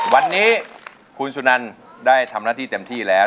วันนี้คุณสุนันได้ทำหน้าที่เต็มที่แล้ว